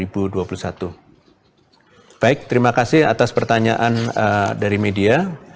baik terima kasih atas pertanyaan dari media